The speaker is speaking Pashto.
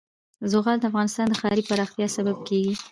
زغال د افغانستان د ښاري پراختیا سبب کېږي.